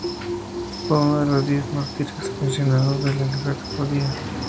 Fue uno de los Diez Mártires mencionados en la liturgia judía.